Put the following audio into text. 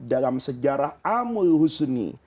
dalam sejarah amul husni